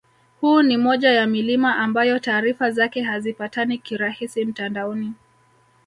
Huu ni moja ya milima ambayo taarifa zake hazipatikani kirahisi mtandaoni